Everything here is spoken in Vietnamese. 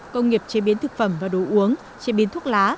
công nghiệp chế biến thực phẩm và đồ uống chế biến thuốc lá